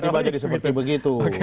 tiba jadi seperti begitu